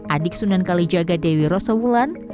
adik sunan kalijaga dewi rosa wulan